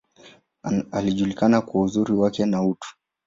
Alijulikana kwa uzuri wake, na utu.